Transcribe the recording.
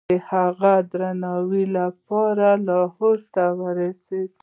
د هغه د درناوي لپاره لاهور ته ورسي.